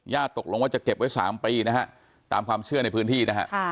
ตกลงว่าจะเก็บไว้๓ปีนะฮะตามความเชื่อในพื้นที่นะฮะ